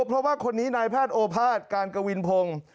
เพราะว่าคนนี้นายแพทย์โอภาษย์การกวินพงศ์